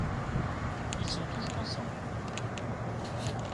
Ils sont toujours ensemble.